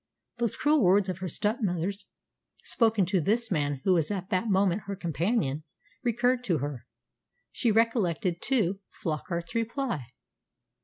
Those cruel words of her stepmother's, spoken to this man who was at that moment her companion, recurred to her. She recollected, too, Flockart's reply.